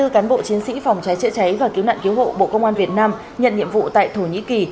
hai mươi cán bộ chiến sĩ phòng cháy chữa cháy và cứu nạn cứu hộ bộ công an việt nam nhận nhiệm vụ tại thổ nhĩ kỳ